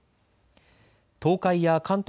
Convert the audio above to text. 東海や関東